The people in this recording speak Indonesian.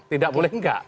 tidak boleh enggak